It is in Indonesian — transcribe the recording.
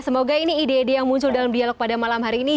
semoga ini ide ide yang muncul dalam dialog pada malam hari ini